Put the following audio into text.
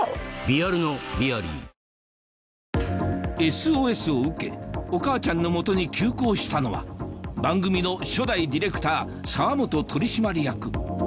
ＳＯＳを受けお母ちゃんの元に急行したのは番組の初代ディレクター澤本取締役